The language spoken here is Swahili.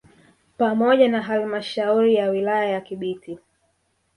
Pamoja na halmashauri ya wilaya ya Kibiti